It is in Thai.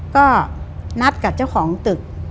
ก็นัดกับเจ้าของตึก